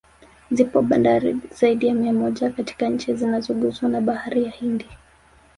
Zipo bandari zaidi ya mia moja katika chi zinazoguswa na Bahari ya Hindi